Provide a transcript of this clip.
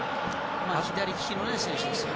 左利きの選手ですよね。